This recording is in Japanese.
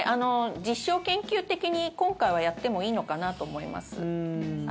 実証研究的に今回はやってもいいのかなと思います。